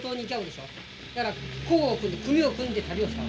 だから講を組んで組を組んで旅をしたの。